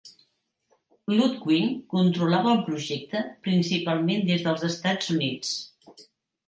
Ludwig controlava el projecte principalment des dels Estats Units.